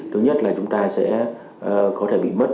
thứ nhất là chúng ta sẽ có thể bị mất